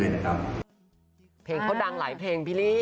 เพลงเขาดังหลายหลายเพลงพิลลี้